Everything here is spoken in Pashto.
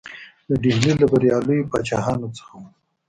د ډهلي له بریالیو پاچاهانو څخه وو.